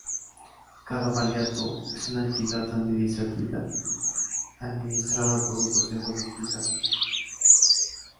Cada valiato es una entidad administrativa administrada por un consejo distrital.